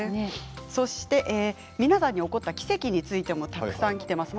そして皆さんに起こった奇跡についてもたくさんきています。